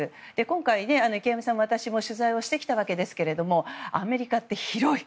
今回、池上さんも私も取材してきたわけですけどアメリカって広い。